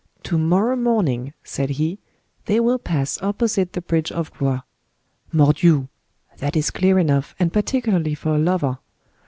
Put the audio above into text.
'To morrow morning,' said he, 'they will pass opposite the bridge of Blois.' Mordioux! that is clear enough, and particularly for a lover.